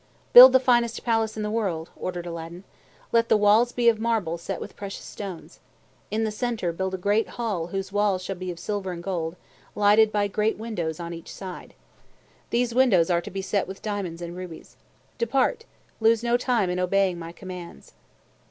"Build the finest palace in the world," ordered Aladdin. "Let the walls be of marble set with precious stones. In the center build a great hall whose walls shall be of silver and gold, lighted by great windows on each side. These windows are to be set with diamonds and rubies. Depart! Lose no time in obeying my commands!"